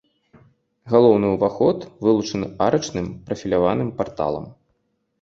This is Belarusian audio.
Галоўны ўваход вылучаны арачным прафіляваным парталам.